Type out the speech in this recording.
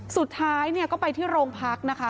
สุดท้ายก็ไปที่โรงพักนะคะ